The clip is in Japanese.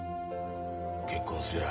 結婚すりゃあ